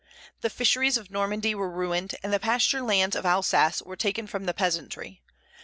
"The fisheries of Normandy were ruined, and the pasture lands of Alsace were taken from the peasantry.